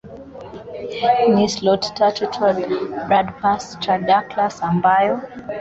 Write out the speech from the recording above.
ni sloth tatu toed Bradypus tridactylus ambayo